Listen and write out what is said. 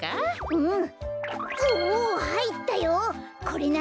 うん！